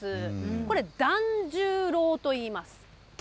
これ、団十郎といいます。